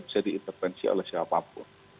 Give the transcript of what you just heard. tidak mau diintervensi oleh siapapun